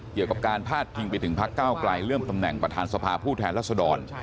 เกี่ยวกับการพาดพิงไปถึงพักเก้าไกลเรื่องตำแหน่งประธานสภาผู้แทนรัศดร